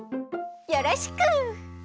よろしく！